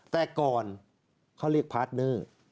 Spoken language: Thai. แต่ก่อนเขาเรียกพาร์ทเนอร์